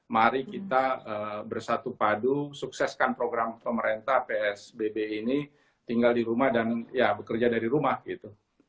mari kita bersatu padu sukseskan program pemerintah psbb ini tinggal di rumah dan ya bekerja dari rumah gitu